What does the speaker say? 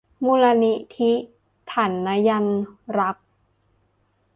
มูลนิธิถันยรักษ์